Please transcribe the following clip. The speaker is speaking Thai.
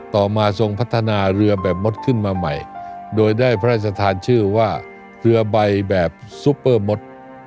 ต่อมาทรงพัฒนาเรือแบบมดขึ้นมาใหม่โดยได้พระราชทานชื่อว่าเรือใบแบบซุปเปอร์มด